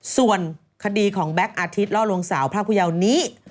ส่วนคดีของแบ็คอาทิตย์ล่อลวงสาวพระผู้ยาวนี้